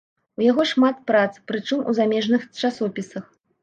У яго шмат прац, прычым у замежных часопісах.